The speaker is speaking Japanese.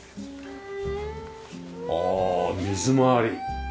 ああ水回り。